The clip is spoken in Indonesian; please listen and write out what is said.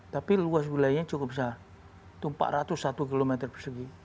kota sebilanya cukup besar itu empat ratus satu km persegi